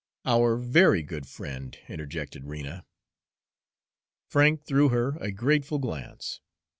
"Our very good friend," interjected Rena. Frank threw her a grateful glance.